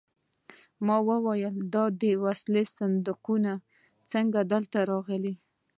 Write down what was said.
ما وویل دا د وسلو صندوقونه څنګه دلته راغلل